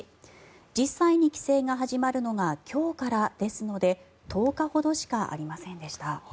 実際に規制が始まるのが今日からですので１０日ほどしかありませんでした。